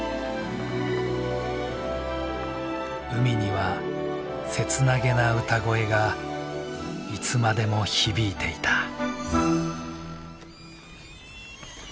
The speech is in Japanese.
海には切なげな歌声がいつまでも響いていた。